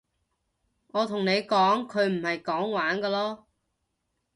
我同咗你講佢唔係講玩㗎囉